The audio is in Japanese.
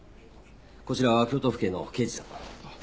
こちらは京都府警の刑事さん。